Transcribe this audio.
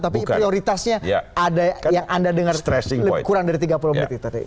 tapi prioritasnya ada yang anda dengar kurang dari tiga puluh menit itu tadi